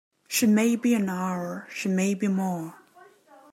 She may be an hour, she may be more.